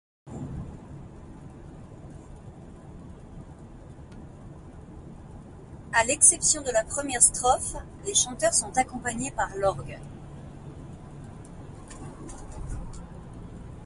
À l'exception de la première strophe, les chanteurs sont accompagnés par l'orgue.